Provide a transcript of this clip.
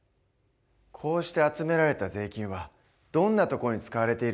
こうして集められた税金はどんなところに使われているんだろう？